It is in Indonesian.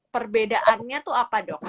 perbedaannya tuh apa dok